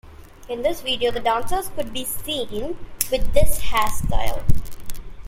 In this video, the dancers could be seen with this hairstyle.